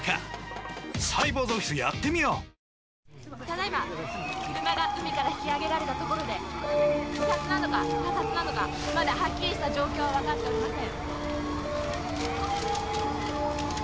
ただ今車が海から引きあげられたところで自殺なのか他殺なのかまだはっきりした状況はわかりません。